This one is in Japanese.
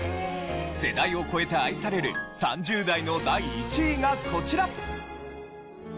世代を超えて愛される３０代の第１位がこちら。